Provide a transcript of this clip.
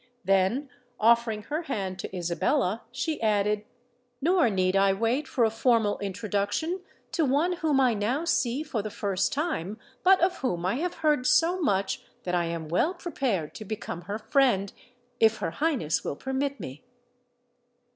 Then, offering her hand to Isabella, she added, "Nor need I wait for a formal introduction to one whom I now see for the first time, but of whom I have heard so much that I am well prepared to become her friend—if her Highness will permit me."